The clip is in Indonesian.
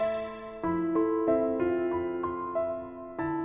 kamu belajar apa lagi rachel